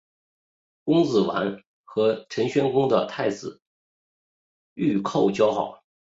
公子完和陈宣公的太子御寇交好。